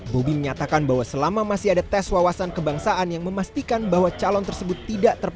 bobi menyatakan bahwa selama masih ada tes wawasan kebangsaan yang memastikan bahwa calon tersebut